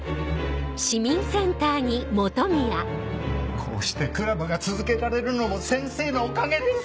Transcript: こうしてクラブが続けられるのも先生のおかげです！